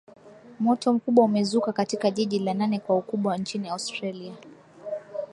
moto mkubwa umezuka katika jiji la nane kwa ukubwa nchini australia